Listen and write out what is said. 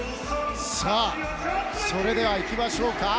さあ、それでは行きましょうか。